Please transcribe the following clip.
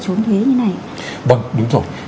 trốn thuế như này